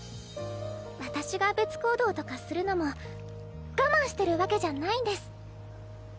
私が別行動とかするのも我慢してるわけじゃないんです。